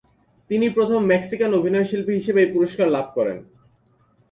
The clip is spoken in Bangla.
তিনি প্রথম মেক্সিকান অভিনয়শিল্পী হিসেবে এই পুরস্কার লাভ করেন।